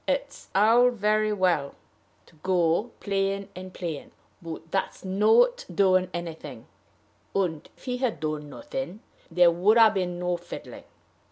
It's all very well to go playing and playing, but that's not doing anything; and, if he had done nothing, there would ha' been no fiddling.